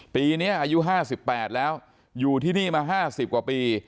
ปีนี้อายุ๕๘แล้วอยู่ที่นี่มา๕๐กว่าปี